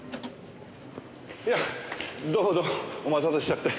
いやどうもどうもお待たせしちゃって。